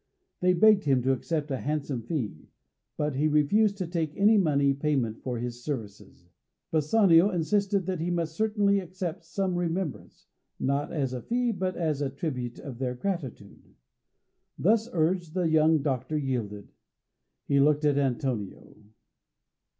They begged him to accept a handsome fee, but he refused to take any money payment for his services. Bassanio insisted that he must certainly accept some remembrance, not as a fee, but as a tribute of their gratitude. Thus urged, the young doctor yielded. He looked at Antonio.